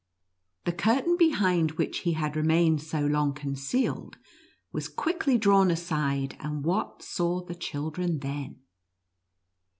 The curtain behind which he had remained so long concealed, was quickly drawn aside, and what saw the children then